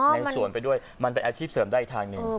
ในสวนไปด้วยมันเป็นอาชีพเสริมได้อีกทางหนึ่ง